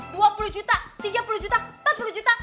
dua puluh juta tiga puluh juta empat puluh juta